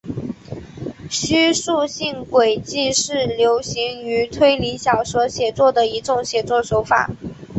叙述性诡计是流行于推理小说写作的一种写作手法。